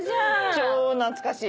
超懐かしい。